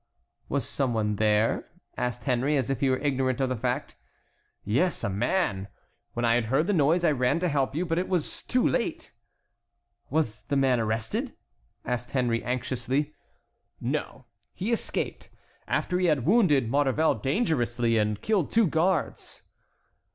"Was some one there?" asked Henry as if he were ignorant of the fact. "Yes, a man. When I had heard the noise, I ran to help you; but it was too late." "Was the man arrested?" asked Henry, anxiously. "No, he escaped, after he had wounded Maurevel dangerously and killed two guards."